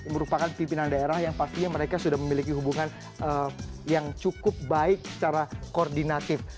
merupakan pimpinan daerah yang pastinya mereka sudah memiliki hubungan yang cukup baik secara koordinatif